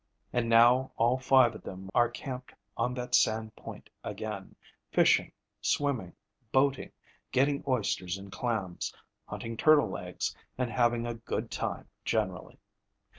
And now all five of them are camped on that sand point again, fishing, swimming, boating, getting oysters and clams, hunting turtle eggs, and having a good time generally.